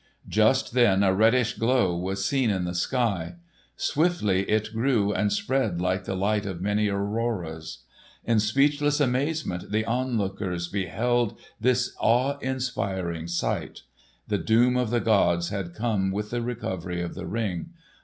Just then a reddish glow was seen in the sky. Swiftly it grew and spread like the light of many auroras. In speechless amazement the onlookers beheld this awe inspiring sight. The doom of the gods had come with the recovery of the Ring.